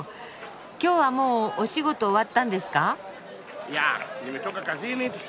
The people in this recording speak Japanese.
今日はもうお仕事終わったんですか？